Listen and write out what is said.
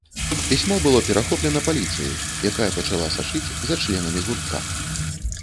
Пісьмо было перахоплена паліцыяй, якая пачала сачыць за членамі гуртка.